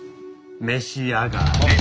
召し上がれ。